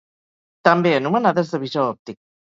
També anomenades de visor òptic.